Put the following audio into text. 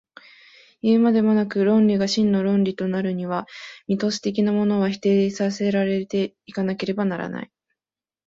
いうまでもなく、論理が真の論理となるには、ミトス的なものは否定せられて行かなければならない。